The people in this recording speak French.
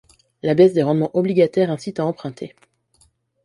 La baisse des rendements obligataires incite à emprunter.